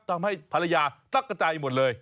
ทำให้ภรรยาตักกระจายหมดเลย